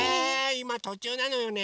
いまとちゅうなのよね。